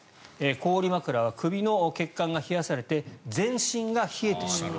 氷枕は首の血管が冷やされて全身が冷えてしまう。